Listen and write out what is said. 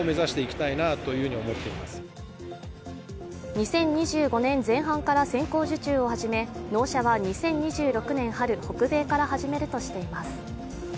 ２０２５年前半から先行受注を始め納車は２０２６年春、北米から始めるとしています。